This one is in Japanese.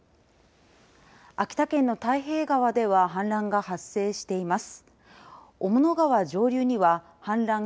秋田県の太平川では氾濫が発生しています。